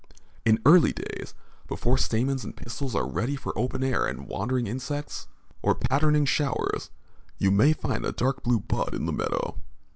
In early days, before stamens and pistils are ready for open air and wandering insects or pattering showers, you may find a dark blue bud in the meadow.